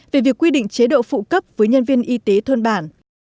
về việc quy định chế độ phụ cấp với nhân viên y tế thôn bản